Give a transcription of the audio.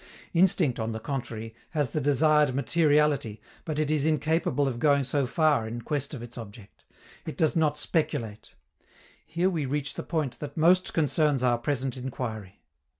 Instinct, on the contrary, has the desired materiality, but it is incapable of going so far in quest of its object; it does not speculate. Here we reach the point that most concerns our present inquiry.